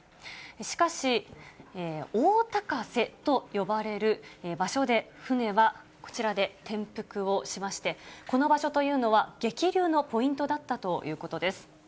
しかし、大高瀬と呼ばれる場所で船は、こちらで転覆をしまして、この場所というのは、激流のポイントだったということです。